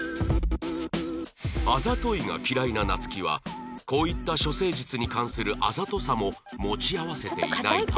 「あざとい」が嫌いな夏希はこういった処世術に関するあざとさも持ち合わせていないため